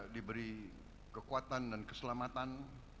diberi kekuatan dan keselamatan